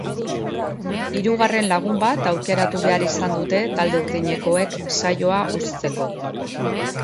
Hirugarren lagun bat aukeratu behar izan dute talde urdinekoek saioa uzteko.